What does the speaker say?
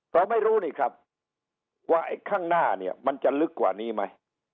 เราไม่รู้นี่ครับว่าไอ้ข้างหน้าเนี่ยมันจะลึกกว่านี้ไหม